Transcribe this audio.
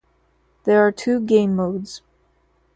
There are two game modes.